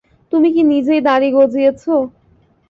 তুমি কি নিজেই দাড়ি গজিয়েছো?